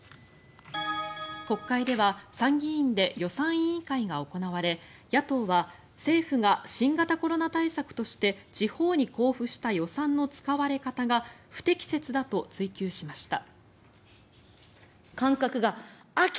国会では参議院で予算委員会が行われ野党は政府が新型コロナ対策として地方に交付した予算の使われ方が不適切だと追及しました。